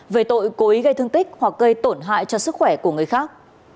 về tội cố ý gây thương tích hoặc gây tổn hại cho sức khỏe của người khác